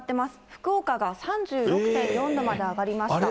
福岡が３６．４度まで上がりました。